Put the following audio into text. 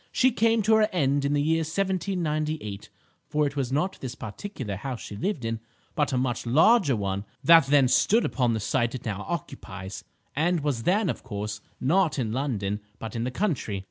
She came to her end in the year 1798, for it was not this particular house she lived in, but a much larger one that then stood upon the site it now occupies, and was then, of course, not in London, but in the country.